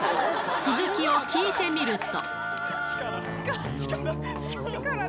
続きを聴いてみると。